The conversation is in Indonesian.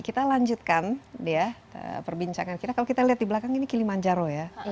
kita lanjutkan perbincangan kita kalau kita lihat di belakang ini kilimanjaro ya